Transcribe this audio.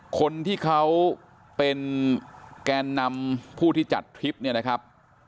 คนที่เขาเป็นแกนนำผู้ที่จัดทริปเนี่ยนะครับ